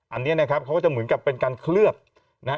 อันนี้นะครับเขาก็จะเหมือนกับเป็นการเคลือบนะฮะ